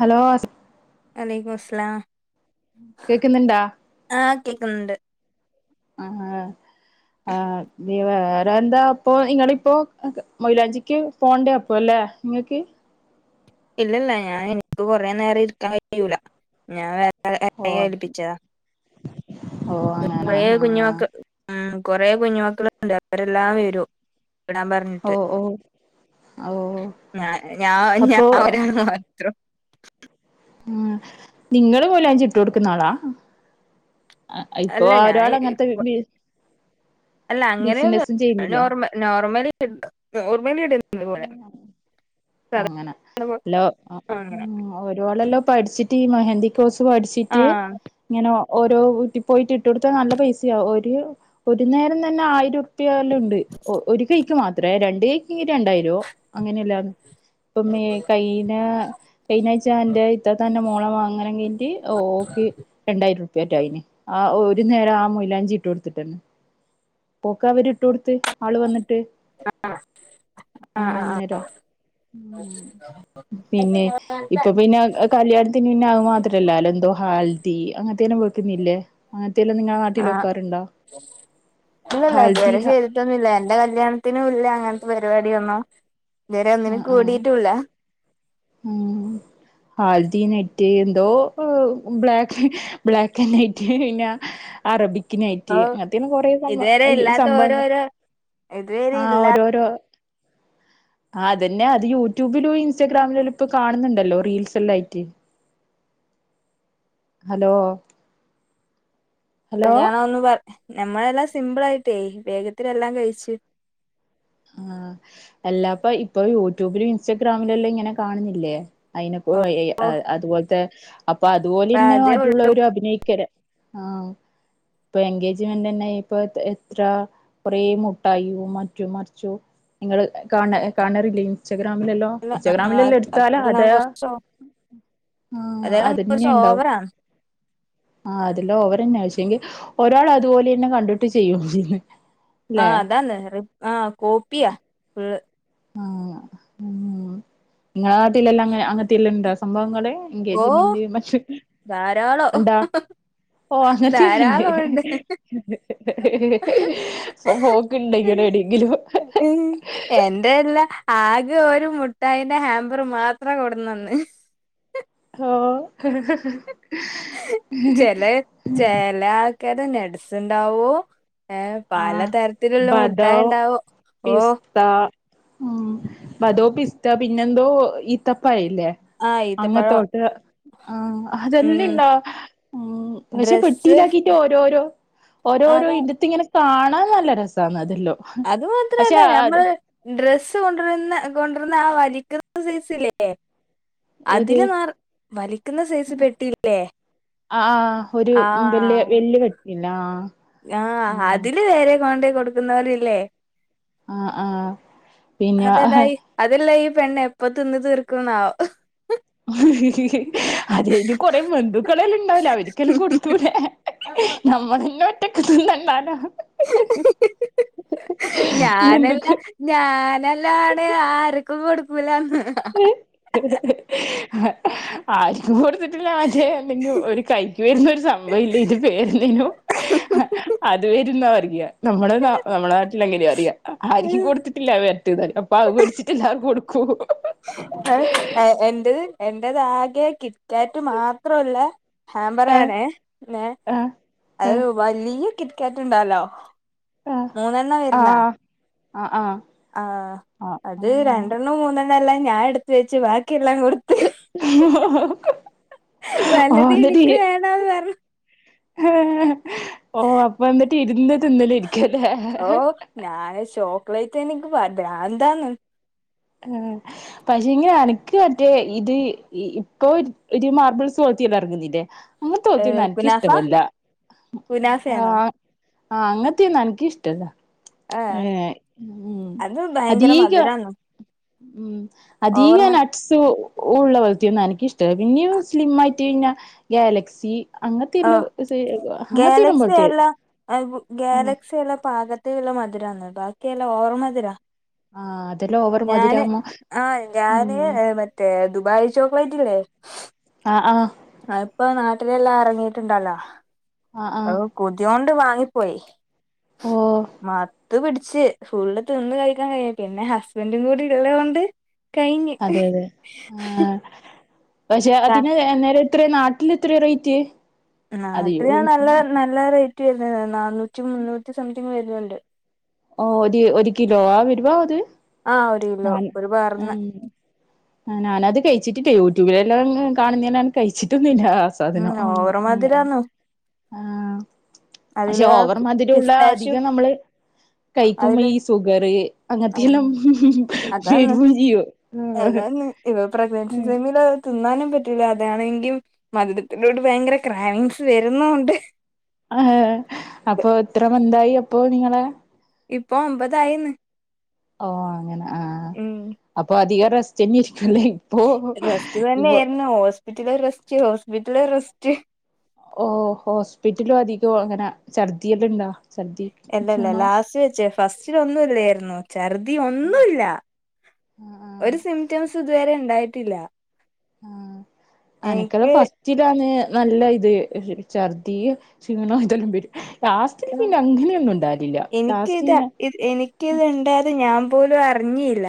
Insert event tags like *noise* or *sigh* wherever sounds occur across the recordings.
Hello അ അലൈകും അസ്സലാം കേക്ക്ന്ന്ണ്ടാ?... ആഹ് കേക്കുന്നുണ്ട് ആഹ്. ആഹ് ഇനി വേറെ എന്താ അപ്പൊ നിങ്ങളിപ്പോ അക് മൊയിലാഞ്ചിക്ക് പോണ്ടെ അപ്പല്ലേ? ഇങ്ങക്ക് ഇല്ലല്ല. ഞാന് ഇനിക്ക് കൊറേ നേരം ഇരിക്കാൻ കഴിയൂല. ഞാൻ വേ *unintelligible* ഓ ഇട് പ്പിച്ചതാ ഓ അങ്ങനെ കൊറേ കുഞ്ഞി ആഹ് മക്കൾ ആ കൊറേ കുഞ്ഞി മക്കള്ണ്ട് അവരെല്ലാം വരും. ടാൻ ഓ പറഞ്ഞിട്ട് ഓ ഓ ഞ ഞ ഞ അപ്പൊ ഒരാണ പറഞ്ഞ ത്ര? ഉം ഇങ്ങള് മൈലാഞ്ചി ഇട്ടൊടുക്കുന്ന ആളാ. ഇപ്പൊ അല്ല ഞാൻ ഒരാള് അങ്ങനത്തെ ഇട്. അല്ല അങ്ങനെയല്ല ചെയ്യുന്നില്ലേ നോർ നോർമലി നോർമലി ഇടുന്നത് പോലെ സാധാ അങ്ങനെ ല്ലോ. അങ്ങനെ ഒരാളല്ലോ പഠിച്ചിട്ട് ഈ മെഹന്ദി കോഴ്സ് പഠിച്ചിട്ട് ആഹ് ങ്ങനോ. ഓരോ വീട്ടിൽ പോയിട്ട് ഇട്ട് കൊടുത്താൽ നല്ല പൈസയാ. ഒരു ഒരു നേരം തന്നെ ആയിരു ത്തിയാല്ണ്ട്. ഒ ഒരു കൈക്ക് മാത്രേ രണ്ട് കൈക്ക് രണ്ടായി രോ അങ്ങനെയല്ലന്ന് ഇപ്പം മേ കൈയിനാ കഴിഞ്ഞാഴ്ച്ച എന്റെ ഇത്താത്താന്റെ മോളെ മംഗലം കഴിഞ്ഞ്ട്ട് ഓക്ക്. രണ്ടായിരം റുപ്യറ്റെ ആയിന് ആഹ് ഒരു നേരം ആഹ് മൊയ്ലാഞ്ചി ഇട്ട് കൊടുത്തിട്ടന്നെ. പോക്ക അവര് ഇട്ട് കൊടുത്ത് ആള് വന്നിട്ട്. ആഹ് ആഹ് ആഹ് അന്നേരം *unintelligible* പിന്നെ ഇപ്പൊ പിന്നെ അ അത് കല്യാണത്തിന് പിന്നെ അതു മാത്രാല്ലല്ലോ. എന്തോ ഹാൽ തീ അങ്ങന്ത്തനും വെക്കുന്നില്ലേ അങ്ങനത്തെെയെല്ലാം നിങ്ങള നാട്ടിൽ വെക്കാറുണ്ടോ? ഇല്ലല്ലല്ല. ഹൽദി ഇത്‌വരെ ഹ ചെയ്തിട്ടൊന്നുല്ല. എന്റെ കല്യാണം ത്തിനും ഇല്ല അങ്ങനത്തെ പരിപാടി ഒന്നും ഇതുവരെ ഒന്നിനും ആഹ് ആഹ് കൂടീട്ടുംല്ല. ഉം... ഹൽദി നൈറ്റ് എന്തോ ബ്ലാക്ക് ആൻഡ് നൈറ്റ്‌ പിന്നെ അറബിക്ക് നൈറ്റ്‌ ഓഹ് അങ്ങനത്തെയുള്ള കുറേ ഇതുവരെ അയ്യോ ഇല്ലാത്ത സംഭവങ്ങൾ ഓരോരോ ഇതുവരെ ആ ഇല്ല ഓരോരോ ആ അതന്നെ അത് യൂട്യൂബിലും ഇൻസ്റ്റാ ഗ്രാമിൽ ഇപ്പോ കാണുന്നുണ്ടല്ലോ റീൽസല്ലാം ആയിട്ട് ഹലോ ഹലോ കല്യാണമെന്ന് പറഞ്ഞ നമ്മളെല്ലാം സിമ്പിൾ ആയിട്ട് വേഗത്തിൽ എല്ലാം കയിച് ആ എല്ലാപ്പാ ഇപ്പൊ യൂട്യുബിലും ഇൻസ്റ്റാഗ്രാമിലും എല്ലാം ഇങ്ങനെ കാണുന്നില്ലേ അയിനിപ്പോ അതുപോലത്തെ അപ്പൊ അപ്പ അതുപോലെന്നെ അതേ മറ്റുള്ളവരും അഭിനയിക്കാ ആ ഇപ്പൊ എൻഗേജ്മെന്റ് ന്നെ ഇപ്പ എക്സ്ട്രാ കുറെ മുട്ടായിും മറ്റും മർച്ചും നിങ്ങൾ കാണാ കാണാറില്ലേ ഇൻസ്റ്റാഗ്രാമിലൊക്കെ ഉള്ളൂ ഉച്ചഗ്രാമിലല്ലാം എടുത്താലേ അതെല്ലാം അതാ കുറച്ച് ആഹ് അതെല്ലാം അതന്നെ കുറച്ച് ഉണ്ടാകും ഓവറാണ് ആഹ് അതെല്ലാം ഓവർ തന്നെ പക്ഷേ ഒരാൾ അതുപോലെ തന്നെ കണ്ടിട്ട് ചെയ്യും ആ ല്ലേ അതന്നെ ആ കോപ്പിയ ഫുൾ ആഹ് മ്മ് ഇങ്ങളെ നാട്ടിൽ എല്ലാം അങ്ങനത്തെ എല്ലാം ഉണ്ടോ സംഭവങ്ങൾ ഓ എൻഗേജ്മെന്റ് ധാരാളം ണ്ടാ ഓ അങ്ങനത്തെക്കെണ്ട് ധാരാളം ഉണ്ട് ഇണ്ടന എവിടെങ്കിലും അതല്ല ആകെ ഒരു മുട്ടായിന്റെ ഹാമ്പർ മാത്രം കൊടുന്നുന്ന് ഓ എല്ലാ ആൾക്കാരും നെഡ് സുണ്ടാവോ ഏ ആഹ് പലതരത്തിലുള്ള മുട്ടായി ണ്ടാവോ ഓ ബദോ അതോ പിസ്ത പിന്നെന്തോ ഈത്തപ്പയില്ലേ ആ ഈത്തപ്പഴം അങ്ങത്തോട്ട് ആ ഉം അതെല്ലണ്ടാ പക്ഷെ ഡ്രസ്സ് പെട്ടിയിലാക്കിട്ട് ഓരോരോ ഓരോരോ അതാ ഇത്ത് ഇങ്ങനെ കാണാൻ നല്ല രസന്ന അതല്ലോ അത് മാത്രല്ല ഞമ്മള് ഡ്രസ്സ് കൊണ്ടരുന്ന കൊണ്ടുരുന്ന ആ വലിക്കുന്ന സൈസ് ല്ലേ ഏത് അതില് നർ വലിക്കുന്ന സൈസ് പെട്ടിയില്ലേ ആ ഒരു ആ വല്യ വല്യ പെട്ടില്ലേ ആ ആ അതില് വരെ കൊണ്ടോയി കൊടുക്കുന്നരില്ലേ ആ ആ പിന്നെ ആ അതല്ല ഈ പെണ്ണ് എപ്പ തിന്ന് തീർക്കുന്നാവ അതന് കൊറെ ബന്ധുക്കളെല്ലാം ഇണ്ടാവല അവര്ക്കെല്ലാം തീർക്കുന്നാവോ കൊടുത്തൂടെ നമ്മ പിന്നെ ഒറ്റക്ക് തിന്നണ്ടാല്ലോ ഞാനല്ല ബന്ധുക്ക് ഞാനല്ലാണ് ആർക്കും കൊടുക്കൂലാന്ന് ആർക്കും കൊട് ട്ടില്ല ആജെ എന്ത ഒരു കൈക്ക് വരുന്നൊ ഒരു സംഭവം ഇല്ല ഇന്റെ പേരെന്ത്യനു അത് വര്ന്നാ പറിയ നമ്മള ന നമ്മളെ നാട്ടില അങ്ങനെ പറിയ ആര്ക്കും കൊടുത്തി ല്ല വര *unintelligible* അപ്പൊ അത് പേടിച്ചിട്ട് എല്ലാം കൊടുക്കു എന്റേത് എന്റെതാകെ കി കാറ്റ് മാത്രള്ള ഹാമ്പറ ആഹ് ആണേ ആഹ് അത് വലിയ കിറ്റ്ക്കറ്റ് ഇണ്ടാലോ ആ ആ ആ ആ ആ അത് രണ്ടെണ്ണം മൂന്നെണ്ണല്ലാം ഞാൻ എടുത്ത വെച്ച് ബാക്കിയെല്ലാം കൊടുത് *inaudible* ഓ വലുത് എന്നിട്ട് എനിക്ക് ഇ വേണം പറഞ് ഓ അപ്പന്നിട്ട് ഇരുന്ന് തിന്നല രിക്കല്ലേ ഓ ഞാന് ചോക്ലേറ്റ് എനിക്ക് പ ഭ്രാന്താണ് ആ പക്ഷേങ്കില് അനക്ക് മറ്റേ ഇത് ഇപ്പൊ ഒരു മാർബിൾ സോത്തിയല ഇറങ്ങുന്നല്ലേ അങ്ങ തോത്തി ന്നും എനക്ക് കുനാഫ ഇഷ്ടല്ല ആ കുനാഫയാണോ ആ അങ്ങനത്തെയന്നും എനക്കഷ്ട്ടല്ല ആഹ് ഏ അത് ഭയങ്കര അതീക മധുരാണ് ഉം അതീക ഓവർ മ ന സു ഉള്ള വത്തിയൊന്നും എനിക്ക് ഇഷ്ടല്ല പിന്നെയും സ്ലിം ആയിട്ട് ഞ്ഞാ ഗാലക്സി അങ്ങനത്തെയെല്ലാം അങ്ങനത്തെയെല്ലാം ഗാലക്സി പോലത്തെ അല്ല ആഹ് ഗാലക്സിയല്ല പാക അത് നല്ല മധുരംന്ന ബാക്കിയല്ല ഓവർ മധുര ആഹ് അതില് ഓവർ ഞാന് മധുരാവുമ്പോ ആ ഞാന് ഉം മ റ്റെ ദുബായി ചോക്ലലായിട്ട് ല്ലേ ആ ആ ആ ഇപ്പൊ നാട്ടിലെല്ലാം എറങ്ങിട്ടുണ്ടല്ലോ ആഹ് ആഹ് കൊതിയോണ്ട് വാങ്ങിപ്പോയി ഓഹ് മത്ത് പിടിച്ച് ഫുള്ള് തിന്ന് കഴിക്കാൻ കഴിയ്യാഞ്ഞിട്ട് പിന്നെ ഹസ്ബൻഡും കൂടി ഉള്ളതുകൊണ്ട് കഴിഞ്ഞ് അതെ അതെ ആഹ് പക്ഷെ അതിന് അന്നേരം എത്ര നാട്ടിൽ എത്ര റേറ്റ് അത് നാട്ടിലാണ് നല്ല നല്ല റേറ്റ് വരുന്നത് നന്നൂറ്റി മുന്നൂറ്റി സംതിങ് വരുന്നുണ്ട് ഓ ഒരു ഒരു കിലോ ആ വരുവാത് ആഹ് ഒരു കിലോ ഒരു പാറന്ന് ആ ഞാനത് കഴിച്ചിട്ടില്ല യൂട്യൂബിലെല്ലാം കാണുന്നതിനാണ് കഴിച്ചിട്ടൊന്നുംഇല്ല സാധനം ഉം ഓവർ ഉം മധുരാന്നു ആഹ് പക്ഷെ അതില് ആ ഓവർ മധുരുള്ള പിസ്താച്ചു അധികം നമ്മള് കൈക്കുമ്പ അതില് ഈ സുഗറ് അങ്ങനത്തെ അത് എല്ലാം അതാന്ന് ഏതാ ന്ന് ഇവപ്രഗ്നൻസി ഉം സൈമ് ല് തിന്നാനും പറ്റൂല്ല അതാണെങ്കി മ തുരത്തിനോട് ഭയങ്കര ക്രാവിങ്സ് വരുന്നുണ്ട് ആ അപ്പൊ എത്ര മന്തായി അപ്പോ നിങ്ങളെ ഇപ്പൊ ഒമ്പതായിന്ന് ഓ അങ്ങനെ ആഹ് ഉം അപ്പൊ അധികം റസ്റ്റ്‌ന്നെരിക്കും ല്ലേ റെസ്റ്റ് തന്നെ ഏരുന്നു ഹോസ്പിറ്റല് റസ്റ്റ് ഹോസ്പിറ്റല് റെസ്റ്റ് ഓ ഹോസ്പിറ്റലും അധികും അങ്ങനെ ഛർദില്ലാം ഇണ്ടോ ഛർദി അല്ലല്ല ക്ഷീണോ ലാസ്റ്റ് വെച്ചേ ഫസ്റ്റിലൊന്നുല്ലേര് ന്നു ഛർദിഒന്നുല്ല ആഹ് ആഹ് ഒരു സിംറ്റംസ് ഇതുവരെ ണ്ടായിട്ടില്ല ആഹ് അനക്കാ ലാം ഫസ് ററിലാണ് നല്ല ഇത് ഛർദി ക്ഷീണോ ഇതെല്ലാം വരും ലാസ്റ്റ്ല് ഉം പിന്നെ അങ്ങനെയൊന്നും ഉണ്ടാ ലില്ലാ ലാസ്റ്റ്ന്നെ എനിക്ക് ഇത്ണ്ടായത് ഞാൻ പോലും അറിഞ്ഞില്ല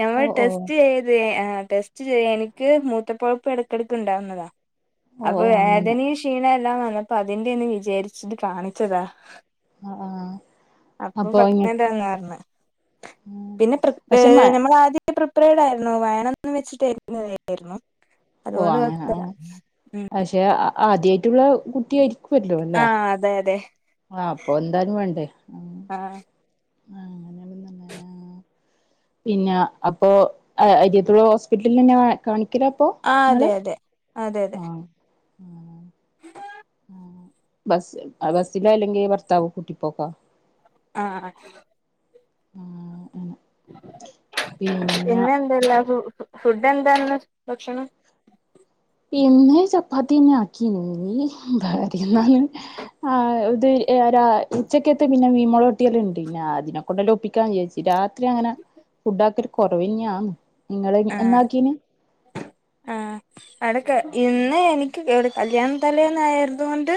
ഞങ്ങൾ ഓ ഓ ടെസ്റ്റെയ്ത് ആ ടെസ്റ്റ് ചെയ്യാ എനിക്ക് മൂത്ര പഴുപ്പ് ഇടക്കിടക്ക് ഉണ്ടാവുന്നതാ ഓ അപ്പൊ ഓ വേദ അങ്ങനെ നിം ക്ഷീണല്ലാം വന്നപ്പോ അതിന്റെന്ന് വിചാരിച്ചിട്ട് കാണിച്ചതാ ആഹ് ആഹ് അപ്പം അപ്പൊ ഇങ്ങക്ക് പ്രഗ്നന്റാ ന്ന് പറഞ്ഞ് ഉം പിന്നെ പ്രിപേ പക്ഷെ മ നമ്മൾ ആദ്യം പ്രിപേടായിരുന്നു വേണമന്ന് വെച്ചിട്ട് ഇരിന്നതായിരുന്നു ഓ അങ്ങനെ ഉം പക്ഷെ ആദ്യായിട്ടുള്ള കുട്ടിയായി ആഹ് അതെ അതെ അപ്പൊ എന്താലും വേണ്ടേ ആഹ് ആഹ് *inaudible* പിന്നെ അപ്പൊ അരിയോത്തുള്ള ഹോസ്പിറ്റലിൽ തന്നെ കാണിക്കല് അപ്പോ ആ ങ്ങള് അതെ അതെ അതെ അതെ ആഹ് ആഹ് ബസ് ബസ്സിലോ അല്ലെങ്കി ഭർത്താവ് കൂട്ടിപ്പോക്കാ ആഹ് ഉം ഉം പിന്നെ എന്തല്ല ഫുഡ് എന്താന്ന് ഭക്ഷണം പിന്നെ ചപ്പാത്തിന്നെ ആക്കീനു *unintelligible* എന്നല് ആ ഇത് ഒരാഴ്ച്ചക്കത്ത് പിന്നെ മീമോളൊട്ടിയത് ഉണ്ട് പിന്നെ അതിനെക്ക കൊണ്ടല്ലോ ഒപ്പിക്കാൻ വിചാച്ച് രാത്രി അങ്ങനെ ഫുഡ് ആക്കൽ കൊറവഞ്ഞാന്ന് ഇങ്ങള് ആ എന്നാക്കീന് ആഹ് അടക്കെ ഇന്ന് എനി *unintelligible* കല്യാണ തലേന്ന് ആയതോണ്ട്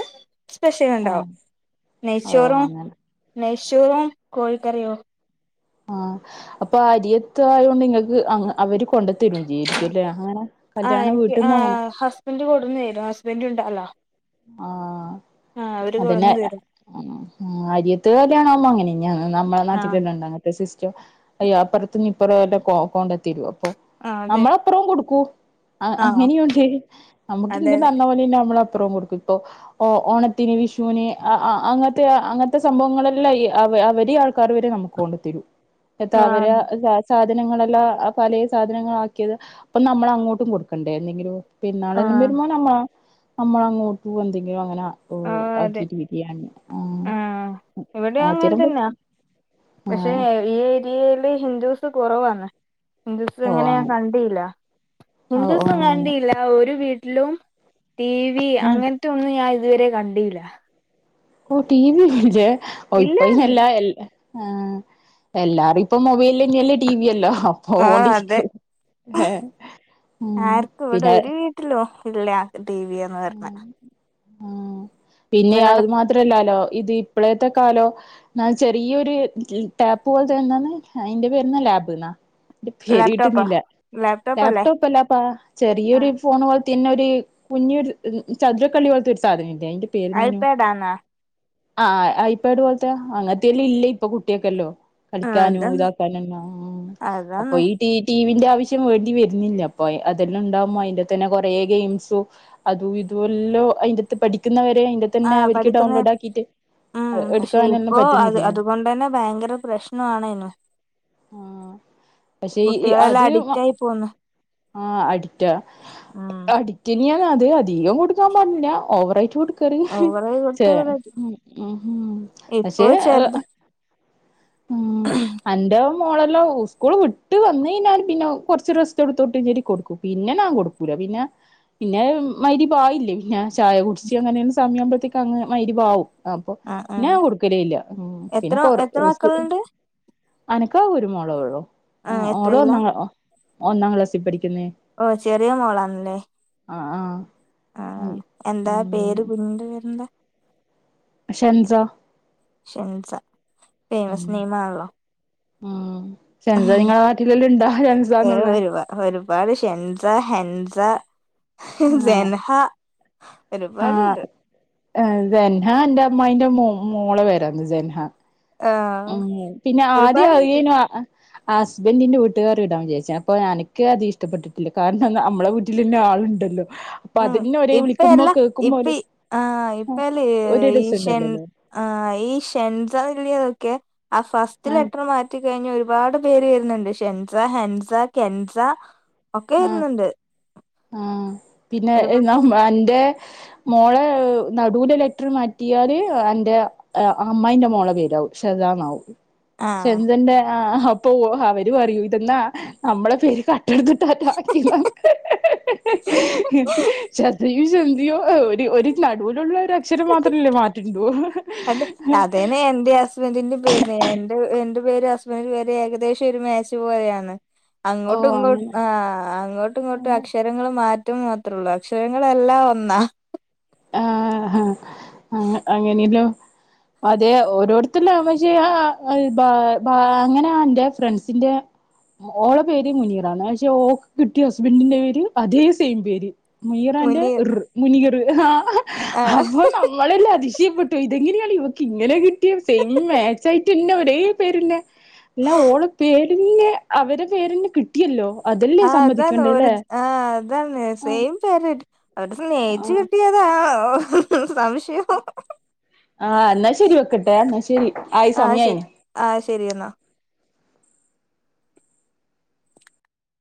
സ്പെഷ്യൽ ഉണ്ടാവും ആഹ് ഓ നെയ്ച്ചോറും അങ്ങനെ നെയ്ച്ചോറും കോഴിക്കറിയോ ആഹ് അപ്പൊ അരിയത്തായോണ്ട് നിങ്ങക്ക് അവര് കൊണ്ട്ത്തരും ജീരിക്കുംല്ലേ അങ്ങനെ കല്യാണം വീട്ടിൽന്ന് അങ്ങനെ ഹസ്ബന്റ് കൊട്ന്നരും ഹസ്ബന്റ് ഉണ്ടല്ലോ ആ ആഹ് അവര് അതന്നെ കൊടുന്ന് തരും അരിയത്ത് കല്യാണ ആവുമ്പോ അങ്ങനെന്നാണ് നമ്മുടെ ആഹ് നാട്ടിലെല്ലാം ഉണ്ടങ്ങനത്തെ സിസ്റ്റം അയ്യ അപ്പുറത്ത നിന്ന് ഇപ്പുറ എല്ലാം കൊണ്ട തരോ അപ്പൊ ആഹ് അതെ നമ്മളെപ്പരം കൊടുക്കും ആ ആഹ് അങ്ങനെയുണ്ട് നമ്മുക്ക് ഇങ് അതെ തന്ന പോലെ തന്നെ നമ്മള അപ്പുറം കൊടുക്കും ഇപ്പൊ ഓ ഓണത്തിന് വിഷുവിന് അങ്ങത്തെ അങ്ങനത്തെ സംഭവങ്ങളല്ലാം അവ അവര് ആ വരെ നമുക്ക് കൊണ്ടു തരും താ അവരെ ആഹ് സാധനങ്ങളെല്ലാം പല സാധനങ്ങള ആക്കിയത് അപ്പൊ നമ്മൾ അങ്ങോട്ടും കൊടുക്കണ്ടേ എന്തെങ്കിലും പെരുന്നാൾ എല്ലാം ആഹ് ബരുമ്പോ നമ്മ നമ്മള അങ്ങോട്ടും എന്തെങ്കിലും അങ്ങനാ ഓ ആഹ് അതെ ആക്കിട്ട് ബിരിയാണി ആഹ് ഇവിടെ ആ അങ്ങനെ തിരുമ്പോ തന്നാ പക്ഷെ ഈ ഏരിയയില് ഹിന്ദൂസ് കുറവാണ് ഹിന്ദുസ് അങ്ങനെ ഞാൻ കണ്ടില്ല ഓഹ് ഹിന്ദുസും ഓഹ് കണ്ടില്ല ഒരു വീട്ടിലും ടി വി അങ്ങനെ അങ്ങനത്തെ ഒന്നും ഞാൻ ഇതുവരെ കണ്ടല്ല ഓ ടി വി ഇല്ലേ ഓ ഇപ്പ ഇല്ല അയിനെല്ല എല്ല ആ എല്ലാരും ഇപ്പ മൊബൈല് തന്നെയ അല്ലേ ടിവി യല്ലോ അപ്പൊ ആഹ് അതോണ്ടിരിക്കും ഉ പിന്നെ പറ്റല്ലോ ഇല്ലേ ടി വിയന്ന് പറഞ്ഞ ആ പിന്നെ ഇവരുടെ അത് മാത്രല്ലാലോ ഇത് ഇപ്പളേത്തെ കാലം എന്നാ ചെറിയൊരു ടാപ്പ് പോലെത്തെന്നാണ് അതിൻന്റെ പേരുന്ന ലാബ് എന്നാ പേര് ലാപ്ടോപ്പാ കിട്ടുന്നില്ല ലാപ്ടോപ്പ് അല്ലപ്പ ചെറിയൊരു ഫോൺ പോലെ ത്തെന്നെ ഒരു കുഞ്ഞു ഒരു ചതുരക്കള്ളി പോലത്തെ ഒരു സാധനം ഇല്ലേ അതിന്റെ പേരുന്നേനൂ ഐപാഡാന്നാ ആഹ ഐ പാട് പോലത്തെ അങ്ങത്തെെയല്ലാം ഇല്ല ഇപ്പൊ കുട്ടിയൊക്കെല്ലോ ആ പഠിചക്കാനും അതന്ന് ഇതാക്കാനന്ന അപ്പൊ അതാന്ന് ഈ ട്ടി ടിവിന്റെ ആവശ്യം വേണ്ടി വരുന്നില്ല അപ്പ അതെല്ലാം ഉണ്ടാകുമ്പോ അയിന്റാത്തെന്നെ കൊറെേ ഗെയിംസും അതും ഇതല്ലോ അയിന്റത്ത് പഠിക്കുന്നവരെ അയിന്റാത്ത് ആ തന്നെ അവർക്ക് പഠിക്കുന്ന ഡൗൺലോഡ് ആക്കിയിട്ട് ഉം പക്ഷെ ഇപ്പോ അത് അതുകൊണ്ട തന്നെ ഭയങ്കര പ്രശ്ന ആണേനൂ ആഹ പക്ഷെ ഈ കുട്ടികളെല്ലാം അത് അഡിക്റ്റ് ആയി പോന്ന് ആ അഡിക്റ്റ ഉം അഡിക്റ്റന്നെ ആണ് അത് അധികം കൊടുക്കാൻ പാടില്ല ഓവറയിട്ട് കറി ഓവറായി ചെ കൊടുത്ത ഇപ്പൊ പക്ഷെ ചെറുത് ഉം അന്റെ ഓൻ മോളല്ലോ സ്കൂൾ വിട്ട് വന്ന് കയിഞ്ഞാൻ പിന്നെ കുറച്ച് റസ്റ്റ്‌ട് എടുത്തോട്ടെ വെച്ചിട്ട് കൊടുക്കും പിന്നെ ഞാൻ ൻ കൊടുക്കു ല്ല പിന്നെ പിന്നെ മയിരിബ് ആയില്ലേ പിന്നെ ചായ കുടിച്ച് അങ്ങനെ അങ്ങ് സമയുമ്പോഴത്തേക്ക് മയിരിബ് ആവും അപ്പൊ ആ ആ ഞാൻ കൊടുക്കലല്ല എത്ര പിന്നെ കൊറ എത്ര മക്കളുണ്ട് അനക്കാകെ ഒരു മോളൊള്ളൂ ആ ഓള് ഒന്നാം ഒന്നാം ക്ലാസ്സിൽ പഠിക്കുന്നേ ഓ ചെറിയ മോളാണല്ലേ ആ ആഹ ആ എന്താ പേര് കുഞ്ഞിന്റെ പേരെന്താ ഷെൻസ ഷെൻസ ഉം ഫേമസ് നെയിം ആണല്ലോ ഷെന്സ നിങ്ങളെ നാട്ടിലെല്ലാം ഇണ്ടാ. ഒരു ഷെന്സാന്നുള്ളെ ഒരുപാട് ഷെൻസ ഹെൻസ ആ സെൻഹ ഒരുപാടുണ്ട് സെൻഹാ എന്റെ അമ്മായിന്റെ മോളെ പേരാണ് സെൻഹ ഉ ആഹ് പിന്നെ ആദ്യം ഒരുപാടുണ്ട് ആനു ആ ഹസ്ബന്റിന്റെ വീട്ടുകാര് ഇടാൻ വിചാരിച്ചേണ് അപ്പോ എനക്ക് അത് ഇഷ്ടപ്പെട്ടിട്ടില്ല കാരണം എന്നാ നമ്മളെ വീട്ടിലെന്നെ ആളുണ്ടല്ലോ അപ്പൊ ഉം അതിന്നെ ഒരേ ഇപ്പ വിളിക്കുമ്പോ എല്ല കേൾക്കുമ്പോ ഇപ്പ ഒരു ആഹ ഇപ്പല്ല ഒരു ഈ ഷെൺ രസംണ്ടല്ലല്ലോ ആ ഈ ഷെൻസ ഇള്ളിയത് ഓക്കെ ആ ഫസ്റ്റ് ആഹ് ലെറ്റർ മാറ്റ ത്തി കഴിഞ്ഞ് ഒരുപാട് പേര് വരുന്നുണ്ട് ഷെൻസ ഹെൻസ കെൻസ ഒക്കെ വരുന്നുണ്ട് ആഹ പിന്നെ ഒരുപാട് നമ്മ അന്റെ മോളെ നടൂലെ ലെറ്റർ മാറ്റിയാല് എന്റെ അമ്മായിന്റെ മോളെ പേരാവും, ശതന്നാവും. ആഹ് ചെന്ദന്റെ ആഹാ അപ്പോ അവര് പറയൂ ഇതെന്നാ നമ്മള പേര് ക- *unintelligible* *unintelligible* ഒരു നടുവിലുള്ള ഒരു അക്ഷരം മാത്രല്ലേ മാറ്റാണ്ടു. അത അതന്നെ എന്റെ അവസ്ഥ. ഹസ്ബന്റിന്റെ പേര്, എന്റെ പേര് ഹസ്ബൻഡന്റെ പേര് ഏകദേശം ഒരു മാച്ച് പോലെയാണ്. ഓ അങ്ങോട്ടും ഇങ്ങോട്ട് അങ്ങനെ ആഹാ, അങ്ങോട്ടും ഇങ്ങോട്ട് അക്ഷ- അക്ഷരങ്ങൾ മാറ്റം മാത്രള്ളൂ, അക്ഷരങ്ങളെഎല്ലാം ഒന്നാ. ആഹാ ആഹാ അങ്ങനെയല്ലോം. അതെ ഓരോരുത്തല് പക്ഷേ ആഹാ അങ്ങനെയ എന്റെ ഫ്രണ്ട്സിന്റെ, ഓള പേര് മുനീറാന്ന് പക്ഷെ ഓക്ക്- കിട്ടിയ ഹസ്ബൻഡിന്റെ പേര്, അതേ സെയിം പേര്. മുനിറന്റെ മുനീർ ർ മുനിർ ആഹാ ആ അപ്പോ നമ്മ- ള് അതിശയപ്പെട്ടു, ഇതെങ്ങനെയാണ് ഇവക്ക് ഇങ്ങനെ കിട്ടിയ സെയിം മാച്ച് ആയിട്ട്ന്നെ ഒരേ പേരന്നെ. അല്ല ഓള് പേരിന്നെ അവരെ പേരിന്നെ കിട്ടിയല്ലോ, അതല്ല- ആഹാ അതാണ് ഒര് ആഹാ അതാണ് ആഹ് സെയിം. ഇപ്പ അവര് സ്നേഹിച്ചു ആഹ് കെട്ടിയതാ സംശയം. ആഹാ എന്നാ ശരി വെക്കട്ടെ എന്നാ ശരി ആയി സമയയായി. ആഹാ ശരി എന്നാ.